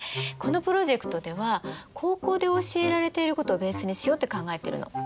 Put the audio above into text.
このプロジェクトでは高校で教えられていることをベースにしようって考えてるの。